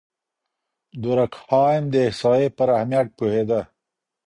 دورکهايم د احصائيې پر اهميت پوهېده.